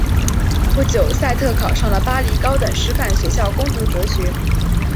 不久萨特考上了巴黎高等师范学校攻读哲学。